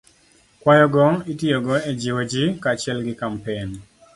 Kwayogo itiyogo e jiwo ji kaachiel gi kampen